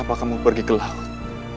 apakah kamu pergi ke laut